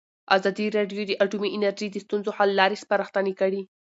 ازادي راډیو د اټومي انرژي د ستونزو حل لارې سپارښتنې کړي.